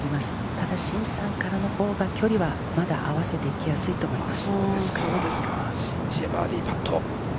ただシンさんからのほうが距離はまだ合わせていきやすいと思います。